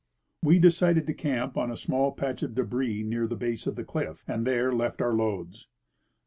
We decided to camp on a small patch of debris near the base of the cliff, and there left our loads.